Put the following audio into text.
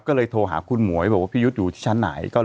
ก็เลยโทรหาคุณหมวยบอกว่าพี่ยุทธ์อยู่ที่ชั้นไหน